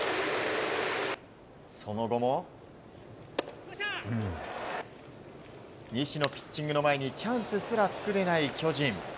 その後も西のピッチングの前にチャンスすら作れない巨人。